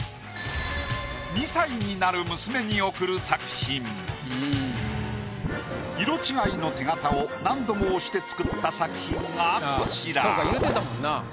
２歳になる色違いの手形を何度も押して作った作品がこちら。